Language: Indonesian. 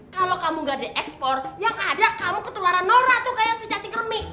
kalau kamu gak diekspor yang ada kamu ketularan nora tuh kayak si cacing kermi